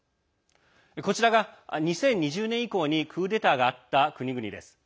こちらが、２０２０年以降にクーデターがあった国々です。